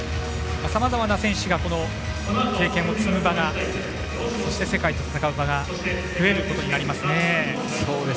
さまざまな選手が経験を積む場がそして、世界と戦う場が増えることになりますね。